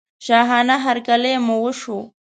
شاهانه هرکلی مو وشو.